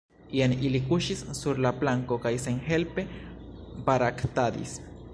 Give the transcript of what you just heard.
Jen ili kuŝis sur la planko kaj senhelpe baraktadis.